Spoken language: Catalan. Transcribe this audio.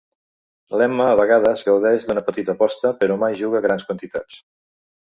L'Emma a vegades gaudeix d'una petita aposta, però mai juga grans quantitats.